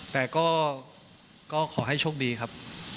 แต่ก็ขอให้โชคดีครับ